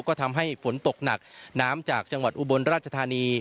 ก็ทำให้ฝนตกหนักน้ำจากจังหวัดอุบลราชธานี